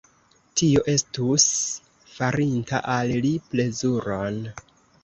Tio estus farinta al li plezuron.